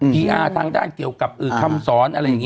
พีหาทางด้านเกี่ยวกับอื่นคำสอน